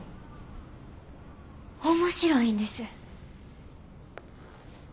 面白いんです。